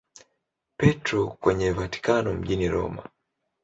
Petro kwenye Vatikano mjini Roma.